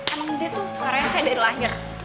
emang dia tuh suka rese dari lahir